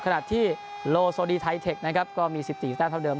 ขณะที่โลโซดีไทเทคนะครับก็มี๑๔แต้มเท่าเมิ